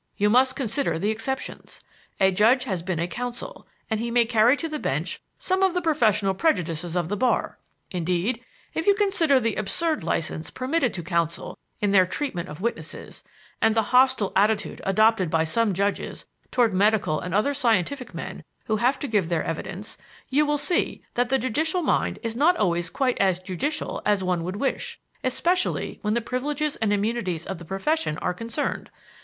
You must consider the exceptions. A judge has been a counsel, and he may carry to the bench some of the professional prejudices of the bar. Indeed, if you consider the absurd license permitted to counsel in their treatment of witnesses, and the hostile attitude adopted by some judges toward medical and other scientific men who have to give their evidence, you will see that the judicial mind is not always quite as judicial as one would wish, especially when the privileges and immunities of the profession are concerned.